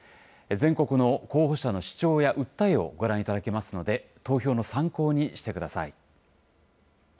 全国の候補者の主張や訴えをご覧いただけますので、投票の参考にしてください。